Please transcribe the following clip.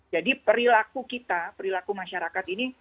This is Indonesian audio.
jadi perilaku kita perilaku masyarakat ini